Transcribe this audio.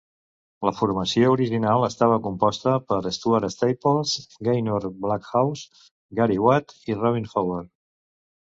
La formació original estava composta per Stuart Staples, Gaynor Backhouse, Gary Watt i Rob Howard.